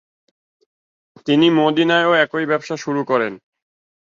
তিনি মদিনায়ও একই ব্যবসা শুরু করেন।